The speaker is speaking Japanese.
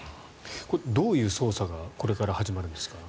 どういう捜査がこれから始まるんですか？